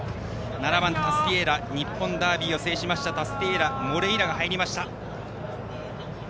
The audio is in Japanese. ７番、タスティエーラ日本ダービーを制しましたタスティエーラモレイラが入りました。